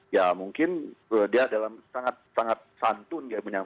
ya mungkin dia dalam sangat sangat santun